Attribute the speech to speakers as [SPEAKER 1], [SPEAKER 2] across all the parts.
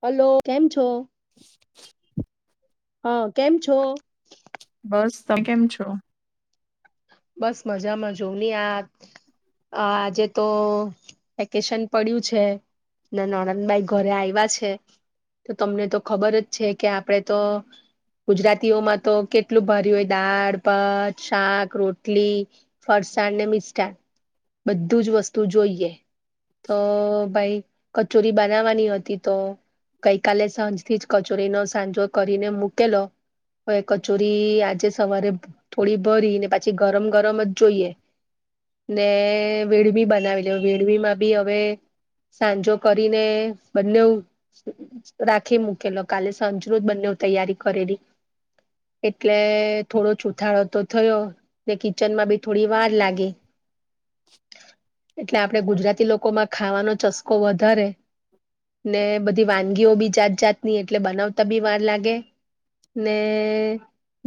[SPEAKER 1] Hello કેમ છો.
[SPEAKER 2] [inaudible]
[SPEAKER 1] હા કેમ છો.
[SPEAKER 2] બસ [unintelligible] કેમ છો.
[SPEAKER 1] બસ મજામાં જોવ નહી આ આજે તો વેકેશન પડ્યું છે, [unintelligible] ઘરે આવ્યા છે, તો તમને તો ખબર જ છે, કે આપડે તો ગુજરાતીઓમાં તો કેટલું ભર્યું હોય દાળ [unintelligible] શાક રોટી [unintelligible] ફરસાણ ને મિસ્ટાણ બધું જ વસ્તુ જોઈએ તો [unintelligible] કચોરી બનાવાની હતી તો ગઈ કલે સાંજથી જ કચોરીનો સાંજો કરીને મૂકેલો હવે કચોરી આજે સવારે થોડી ભરીને પછી ગરમ ગરમ જ જોઈએ ને વેળવી બનાવી લે વેળવીમાં બી હવે સાંજો કરીને બંને રાખી મૂકેલો કાલે સાંજ ન જ બને તૈયારી કરેલી એટલે થોડો ચૂથાળો તો થયો. ને કિચનમાં બી થોડી વાર લાગે.
[SPEAKER 2] [inaudible]
[SPEAKER 1] એટલે આપડે ગુજરાતી લોકોમાં ખાવાનો ચસ્કો વધારે
[SPEAKER 2] [inaudible]
[SPEAKER 1] બધી વાનગીઓ બી જાત જાત ની એટલે બનાવતા બી વાર લાગે ને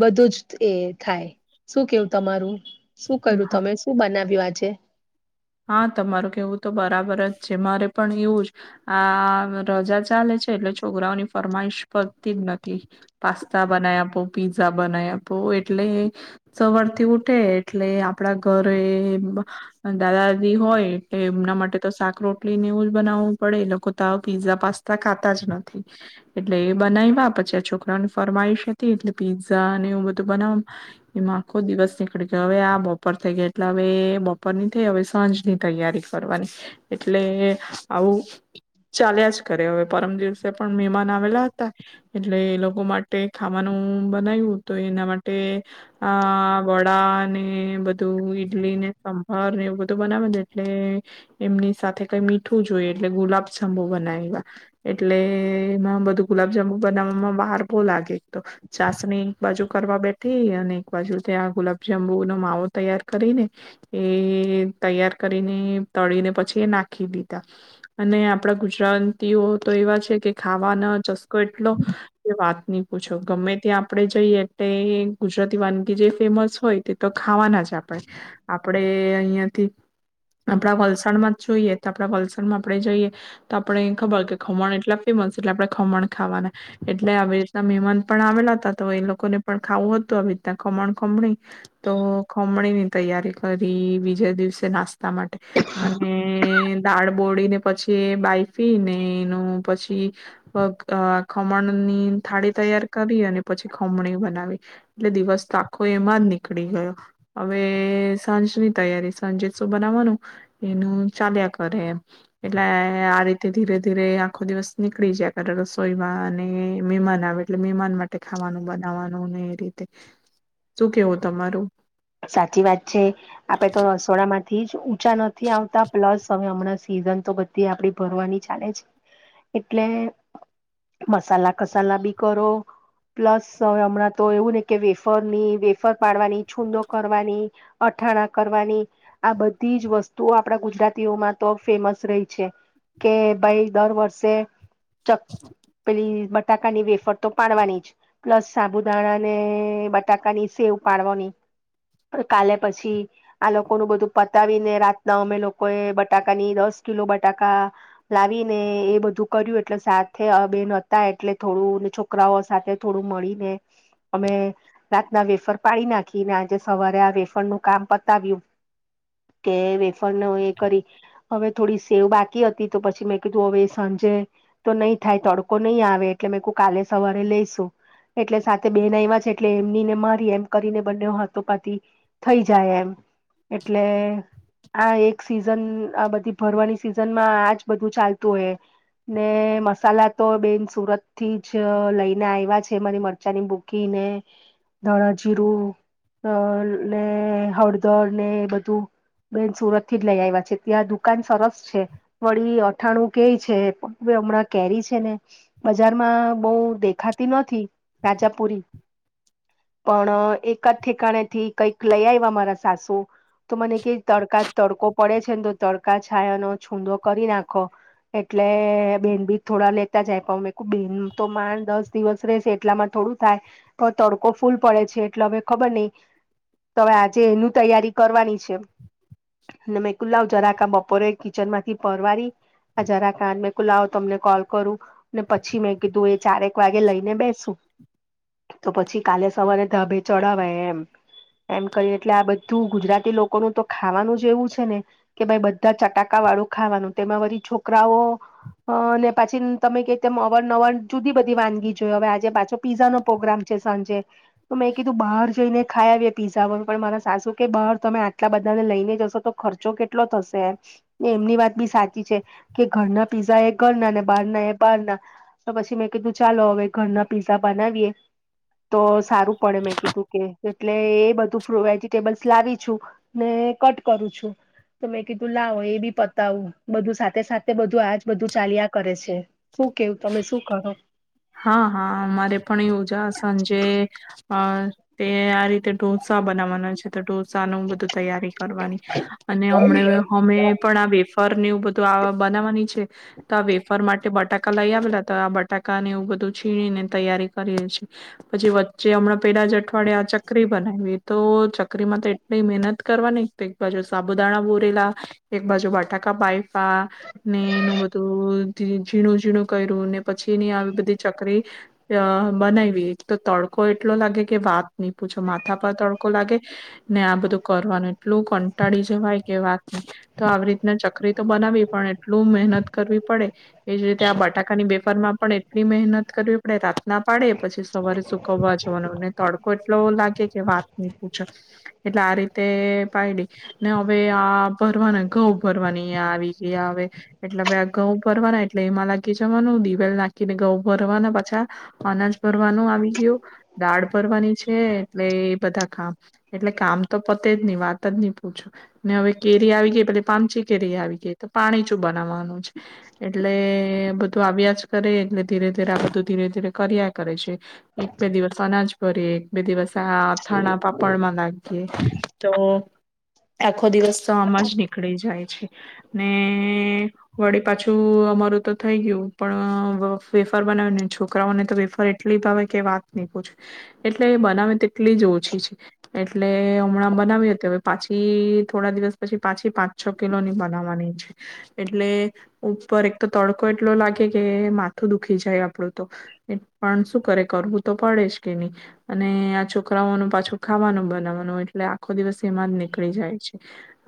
[SPEAKER 1] બધું જ એ ખાય શું કેવું. [unintelligible] કર્યું તમે શું બનાવી આજે
[SPEAKER 2] હા તમારું કેવું તો બરાબર જ છે, મારે પણ એવું જ આ રજા ચાલે છે, એટલે છોકરાઓની ફરમાઈશ પડતી જ નથી પાસ્તા બનાવી આપો પીઝા બનાવી આપો એટલે સવરથી ઉઠે એટલે આપડા ઘરે દાદા દાદી હોય. એમના માટે તો [unintelligible] ને એવું જ બનાવવું પડે એ લોકો તો પીઝા પાસ્તા ખાતા જ નથી એટલે એ બનાવ્યા પછી આ છોકરાઓને ફરમાઈશ હતી એટલે પીઝા ને એવું બધું બનાવ એમાં આખો દિવસ નીકળી ગયો હવે આ બપોર થઈ ગયા એટલે હવે બપોર ની તે હવે સાંજની તૈયારી કરવાની એટલે આવું ચાલ્યા જ કરે હવે પરમ દિવસે પણ [unintelligible] આવેલા હતા એટલે એ લોકો માટે ખાવાનું બનાવ્યું તો એના માટે. અ વડા ને બધું ઈડલી ને [unintelligible] એટલે એમની સાથે કઈ મીઠું જોઈ એટલે ગુલાબ [unintelligible] બનાવ્યા એટલે એમાં બધું ગુલાબજંબુ બનાવવામાં [unintelligible] લાગે. તો ચાસની બાજુ કરવા બેઠ થી અને એક બાજુ ત્યાં ગુલાબજાંબુનો માવો તૈયાર કરી ને એ એએ તૈયાર કરીને, તળીને પછી એ નાખ ખી દીધા અને આ આપણા ગુજરાતીઓ તો એવા છે કે, ખાવાનો ચસ્કો એટલો કે વાત ન પૂછો, ગમે ત્યાં આપણેે જઈએ તેઈએ ગુજરાતી વાનગી જે ફેમસ હોય, તે તો ખાવાના છે આપણે. આપણેે અહિયાંથી આપણા વલસાડમાં જ જોઈએ તો, આપડા વલસાડમાં આપણે જઈએ તો, આપણે ખબર કે ખમણ એટલા ફેમસ એટલે, આપણે ખમણ ખાવાના એટલે આવી રીતના મહેમાન પણ આવેલા હતા, તો એ લોકોને પણ ખાવું હતું. આવી રીતના ખમણ ખમણી તો ખમણી ની તૈયારી ફરી બીજા દિવસે નાસ્તા માટે અને દાળ બોળીને પછી, બાઈફી ને એનું પછી, ખમણની થાળી તૈયાર કરી. અને પછી ખમણી બનાવી. એટલે દિવસ તો આખો એમાં જ નીકળી ગયો. હવે સાંજની તૈયારી. સાંજે શું બનાવવાનું? એનું ચાલ્યા કરે એમ. એટલે આ રીતે ધીરે ધીરે આખો દિવસ નીકળી જાય. [inaudible] રસોઈમાં અને મેમાન આવે એટલે, મેમાન માટે ખાવાનું બનાવાનું ને એ રીતે, શું કેવું તમારું?
[SPEAKER 1] સાચી વાત છે. આપડે તો રસોડા માંથી જ ઊંચા નથી આવતા. પ્લસ હવે હમણાં સિઝન તો બધી આપડી ભરવાની ચાલે છે. એટલે મસાલા કસાલા બી કરો, પ્લસ હવે હમણાં તો, એવું ને કે વેફરની વેફર પાડવાની છૂંદો કરવાની, અથાણા કરવાની, આ બધી જ વસ્તુઓ આપડા ગુજરાતીઓમાં તો ફેમસ રહી છે. કે ભાઈ, દર વર્ષે ચક પેલી બટ બટાકાની વેફર તો પાડવાની જ. પ્લસ સાબુદાણા ને બટાકાની સેવ પાડવાની. કાલે પછી આ લોકોનું બધું પતાવીને, રાતના અમે લોકો એ બટાકાની દસ કિલો બટાકા લાવીને એ બધું કર્યું. એટલે સાથે બેન હતા. એટલે થોડું છોકરાઓ સાથે થોડું મળીને અમે રાતના વેફર પાડી નાખી. ને આજે સવારે આ વેફણ નું કામ પતાવ્યું. કે વેફણ એ કરી, હવે થોડી સેવ બાકી હતી તો, પછી મેં કીધું હવે સાંજે તો નહી થાય તડકો નહી આવે એટલે મેં કુ કાલે સવારે લઈસું. એટલે સાથે બેન આવ્યા છે. એટલે એમની ને મારી એમ કરીને બનેઉ હં તો પતિ, થઈ જાય એમ. એટલે આ એક સિઝન આ બધી ભરવાની સિઝનમાં આજ બધું ચાલતું હોય ને, મસાલા તો બેન સુરત થી જ લઈને આવ્યા છે. મારી મરચાંની ભૂકી ને ધણાજીરું અને હળદર ને એ બધું બેન સુરત થી જ લઈ આવ્યા છે. ત્યાં દુકાન સરસ છે. વળી અથાણું કે છેક હમણાં કેરી છે ને, બજારમાં બહુ દેખાતી નથી. રાજાપુરી [unintelligible] પણ એક જ ઠેકાણે થી કંઈક લઈ આવ્યા મારા સાસુ, તો મને કૈ તડકા તડકો પડે છે ને તો, તડકા છાયાનો છૂંદો કરી નાખો, એટલે બેન ભી થોડા લેતા જાય, પણ મેં કુ બેન તો માણ દસ દિવસ રહેશે, એટલામાં થોડું થાય તો તડકો ફૂલ પડે છે. એટલે અમે ખબર નહી. તો હવે, આજે એનું તૈયારી કરવાની છે. અને મેકુ લાવ જરાક [inaudible] બપોરે કિચન માંથી પરરવારી. આ જરાક રાન મે કુ લાવ તમને કોલ કરું. ને પછી મેં કીધું એ ચારેક એક વાગે લઈને બેસું. તો પછી કાલે સવારે ધાબે ચડવાય એમ, એમ કરી એટલે આ બધું ગુજરાતી લોકોનું તો ખાવાનું જ એવું છે ને, કે ભાઈ બધા ચટાકા વાળું ખાવાનું. તેમાં વરી છોકરાઓ ને પાછી તમે કે તેમ અવર નવર જુદી બધી વાનગી જોઈ. હવે આજે પાછી પીઝા નો પ્રોગ્રામ છે સાંજે. તમે કીધુ બહાર જઈને ખાઈ આવીએ પીઝા. પણ મારા સાસુ કે, બહાર તમે આટલા બધાને લઈને જશો તો ખર્ચો કેટલો થશે? એમ એમની વાત બી સાચી છે. કે ઘરના પીઝા એ ઘર ના, ને બહાર ના એ બહાર ના. તો પછી મેં કીધું ચાલો હવે ઘરના પીઝા બનાવીએ તો સારું. પડે. મેં કીધું કે એટલે એ બધું વેજીિટેબલ્સ લાવી છું. ને કટ કરું છું. તો મેં કીધું લાવો એ બી પતાવું બધું સાથે સાથે બધું આજ બધું ચાલ્યા કરે છે, શું કેવું તમે શું કરો?
[SPEAKER 2] હા હા! અમારે પણ યોજાસન જે અ તે આ રીતે ઢોસા બનાવવાના છે તો સાનુ બધું તૈયારી કરવાની. અને હમણા અમે પણ આ બે ફર ને એવું બધું આવા બનાવાની છે. તો વેફર માટે એ બટાકા લઈ આવેલા. તો આ બટાકા ને એવુ બધુ છીણીને તૈયારી કરીએ છીએ. પછી વચ્ચે હમણાં પેલા જ અઠવાડયે ચકરી બનાવી. તો ચકરી માં તો એટલી મહેનત કરવાની, એક બાજુ સાબુદાણા બોરેલા, એક બાજુ બટાકા બાઈફા, ને એનું બધું ઝીણું ઝીણું કર્યું. ને પછી એની આવી બધી ચકરી બનાઈવી. એક તો તડકો એટલો લાગે કે વાત નહી પૂછો, માથા પર તડકો લાગે ને આ બધું કરવાનું, એટલું કંટાળી જવાય કે વાત નહી. તો આવી રીતના ચકરી તો બનાવી પણ એટલું મહેનત કરવી પડે. એજ રીતે આ બટાકાની બેફર માં પણ એટલી મહેનત કરવી આપણે રાત ના પાડે પછી સવારે સુકવવા જોવાનો અને તડકો એટલો લાગે કે વાત નઈ. [unintelligible] એટલે આ રીતે પાયડી ને હવે આ ભરવાના ઘઉં ભરવાની આવી ગયા હવે એટલે હવે આ ઘઉં ભરવાના એટલે એમાં લાગી જવાનું દિવેલ નાખી કે ઘઉં ભરવાના પાછા, અનાજ ભરવાનું આવી ગયું, દાળ ભરવાની છે એટલે એ બધા કામ, એટલે કામ તો પતે જ નહી વાત જ નિ પૂછું ને હવે કેરી આવી ગઈ પ પામચી કેરી આવી ગઈ તો પાણીચું બનાવવાનું છે, એટલે બધું આવ્યા જ કરે એટલે ધીરે ધીરે આ બધું ધીરે ધીરે કર્યા કરે છે, એક બે દિવસ અનાજ ભરીએ એક બે દિવસ આ અથાણા પાપડમાં લાગીએ તો આખો દિવસ તો આમાં જ નીકળી જાય છે, ને વળી પાછું અમારું તો થઈ ગયું પણ અ વ ફેફર બનાવની છોકરાઓને તો વેફાર એટલી ભાવ કે વાત નહી પૂછે, એટલે બનાવે તેટલી જ ઓછી છે, એટલે હમણાં બનાવી હતી હવે પાછી થોડા દિવસ પછી પાછી પાંચ છ કિલોની બનાવાની છે. એટલે, ઉપર એક તો તડકો એટલો લાગે કે કે માથું દુખી જાય આપડું તો, એ પણ શું કરે કરવું તો પડે જ કે નહી, અને આ છોકરાઓનું પાછું ખાવાનું બનાવવાનું એટલે આખો દિવસ તેમાં જ નીકળી જાય છે,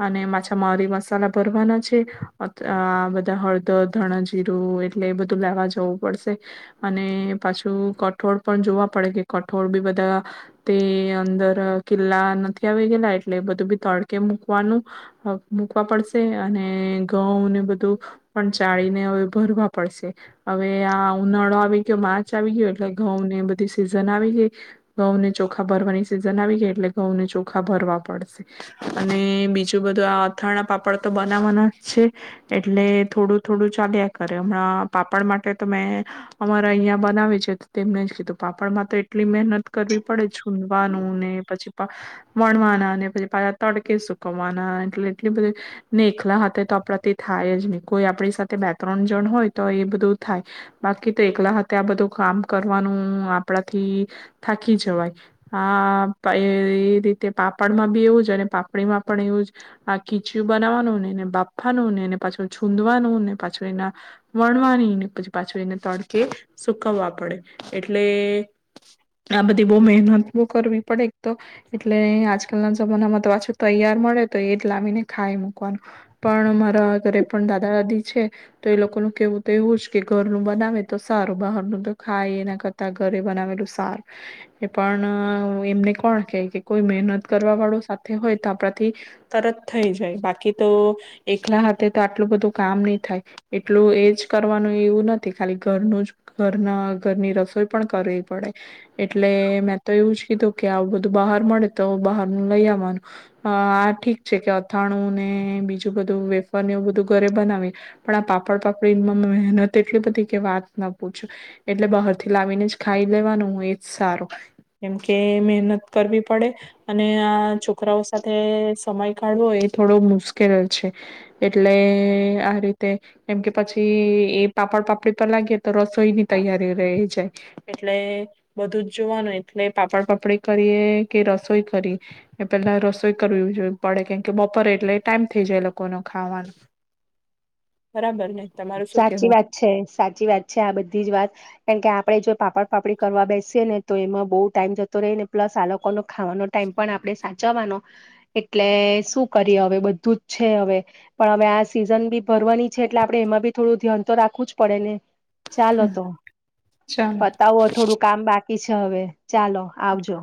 [SPEAKER 2] અને માછા મરી મસાલા ભરવાનાજ [unintelligible] અત બધા હળદ, ધણાજીીરું અ ટલે એ બધું લેવા જવું પડશે, અને પાછું કઠોળ પણ જોવા પડે કે કઠોળ બી બધા તે અંદર કિલ્લા નથી આવી ગેલા એટલે બધું બી તડકે મૂકવાનું મૂકવા પડશે અને ઘઉં ને બધું પણ ચાળીને હવે ભરવા પડશે, હવે આ ઉનાળો આવી ગયો, માર્ચ આવી ગયો એટલે ઘઉં ને એ બધી સીઝન આવી ગઈ, ઘઉં ને ચોખા ભરવાની સીઝન આવી ગઈ એટલે ઘઉં ને ચોખા ભરવા પડશે. અને બીજું બધું આ અથાણા, પાપડ તો બનાવાના જ છે એટલે થોડું થોડું ચાલ્યા કરે. ટે હમણાં પાપડ માટે તો મેં અમારા અહિયાં બનાવી છે તેમને જ કીધું પાપડ માં તો એટલી મહેનત કરવી પડે, છૂનવાનું ને પછી વણવાના ને પછી પાળા તડકે સુકવવાના, એટલે એટલી બધી ને એખલા હતા તો આપડાથી થાય જ નિ કોઈ આપણી સાથે બે ત્રણ જણ હોય તો એ બધું થાય, બાકી તો એકલાથે આ બધું કામ કરવાનું આપડાથી થાકી જવાય આ એ રીતે પાપડમાં બી એવું જ અને પાપડીમાં પણ એવું જ આ ખીચ્યું બનાવવાનું, ને એને બાફવાનું, ને એને પાછું છૂંદવાનું ને પછ છું એને વણવાની ને પછી, પાછળ એને તડકે સુકવવા પડે એટલે આ બધી બો મહેનત કરવી પડે એક તો, એટલે આજકાલના જમાનામાં તો પાછું તૈયાર મળે તો એ જ લાવીને ખાય મૂકવાનું, પણ મારા ઘરે પણ દાદા દાદી છે તો એ લોકોનું કેવું તો એવું જ કે ઘરનું બનાવે તો સારું, બહારનું તો ખાય એના કરતા ઘરે બનાવેલું સારું, એ પણ એમને કોણ કેહે કે કોઈ મહેનત કરવા વાળું સાથે હોય તો આપણાથી તરત થઈ જાય બાકી તો એકલા હાથે તો આટલું બધું કામ ની થાય. એટલું એજ કરવાનું એવું નથી ખાલી ઘરનું જ ઘરના ઘરની રસોઈ પણ કરવી પડે, એટલે મેં તો એવું જ કીધું કે આવું બધું બહાર મળે તો બહારનું લઈ આવવાનું, આ ઠીક છે કે અથાણું ને બીજું બધું વેફર એું બધું ઘરે બનાવી પણ આ પાપડ, પાપડીમાં મહેનત એટલી બધી કે વાત ના પૂછો, એટલે બહાર થી લાવીને જ ખાઈ લેવાનું એજ સારું, કેમ કે મહેનત કરવી પડે અને આ છોકરાઓ સાથે સમય કાઢવો એ થોડો મુશ્કેલ છે, એટલે આ રી તે કેમ કે પછી એ પાપડ પાપડી પર લાગીએ તો રસોઈની તૈયારી રહી જાય, એટલે બધું જ જોવાનું એટલે પાપડ પાપડી કરીએ કે રસોઈ કરીએ એ પેલા રસોઈ કરવી જો પડે કેમ કે બપોરે એટલે ટાઈમ થઈ જાય લોકો ન ખાવાનો. બરાબર ને તમારું શું
[SPEAKER 1] સાચી
[SPEAKER 2] કેવું
[SPEAKER 1] વાત છે, સાચી વાત છે આ બધી જ વાત કારમ કે આપડે જો પાપડ પાપડી કરવા બેસીએ ને તો એમાં બઉ ટાઈમ જતો રહી ને પ્લસ આ લોકોનો ખાવાનો ટાઈમ પણ આપણે સાચવવાનો એટલે શું કરીએ હવે બધું જ છે હવે પણ હવે આ સિઝન બી ભરવાની છે એટલે આપડે એમાં બી થોડું ધ્યાન તો રાખવું જ પડે ને. ચાલો તો,
[SPEAKER 2] ચાલો
[SPEAKER 1] બતાવો થોડું કામ બાકી એછ હવે, ચાલો. આવજો.